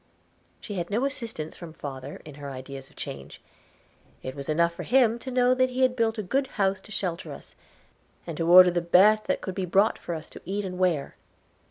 She had no assistance from father in her ideas of change. It was enough for him to know that he had built a good house to shelter us, and to order the best that could be bought for us to eat and to wear.